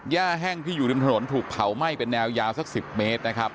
แห้งที่อยู่ริมถนนถูกเผาไหม้เป็นแนวยาวสัก๑๐เมตรนะครับ